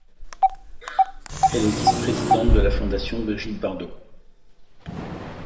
Elle est vice-présidente de la fondation Brigitte-Bardot.